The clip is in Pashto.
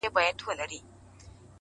پښتنه ده آخير،